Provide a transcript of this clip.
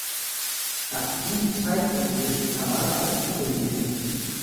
Ab diesem Zeitpunkt wurde Kamala auch zugänglicher.